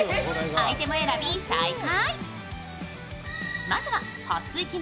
アイテム選び再開。